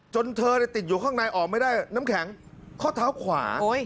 เธอติดอยู่ข้างในออกไม่ได้น้ำแข็งข้อเท้าขวา